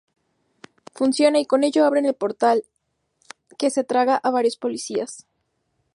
Funciona y con ello abren el portal, que se traga a varios policías.